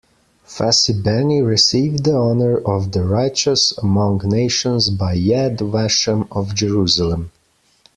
Facibeni received the honor of the righteous among nations by Yad Vashem of Jerusalem.